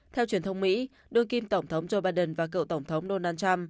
theo truyền thông mỹ đương kim tổng thống joe biden và cựu tổng thống donald trump đã giành đủ số phiếu